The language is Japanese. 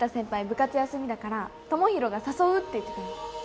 部活休みだから智弘が誘うって言ってたよ